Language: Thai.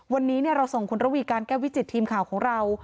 วันนี้เราส่งคุณระวีการแก้ววิจิตทีมข่าวของเรา